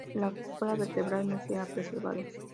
La cola vertebral no se ha preservado.